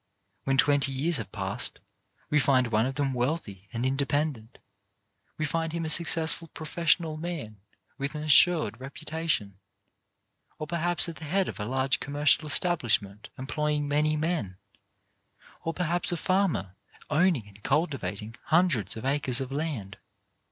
When twenty years have passed, we find one of them wealthy and in dependent; we find him a successful professional man with an assured reputation, or perhaps at the head of a large commercial establishment em ploying many men, or perhaps a farmer owning INDIVIDUAL RESPONSIBILITY 211 and cultivating hundreds of acres of land.